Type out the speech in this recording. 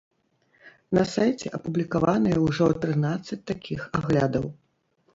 На сайце апублікаваныя ўжо трынаццаць такіх аглядаў.